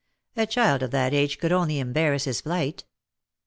A child of that age could only embarrass his flight."